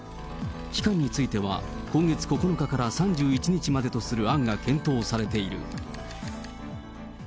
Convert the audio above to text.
期間については、今月９日から３１日までとする案が検討されている。